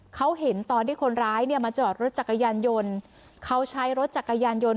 เขาเห็นตอนที่คนร้ายเนี่ยมาจอดรถจักรยานยนต์เขาใช้รถจักรยานยนต์